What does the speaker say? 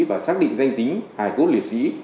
và xác định danh tính hải quốc liệt sĩ